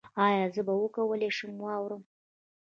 ایا زه به وکولی شم واورم؟